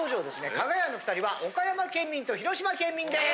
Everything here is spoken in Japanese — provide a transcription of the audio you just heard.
かが屋の２人は岡山県民と広島県民です。